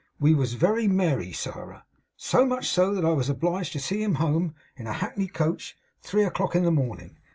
We wos very merry, Sairah. So much so, that I was obliged to see him home in a hackney coach at three o'clock in the morning.